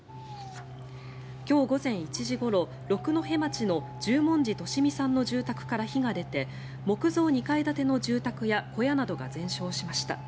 今日午前１時ごろ六戸町の十文字利美さんの住宅から火が出て木造２階建ての住宅や小屋などが全焼しました。